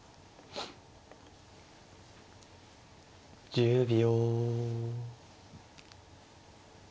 １０秒。